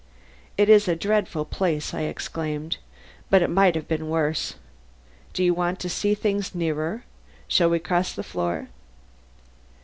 "It is a dreadful place," I exclaimed; "but it might have been worse. Do you want to see things nearer? Shall we cross the floor?"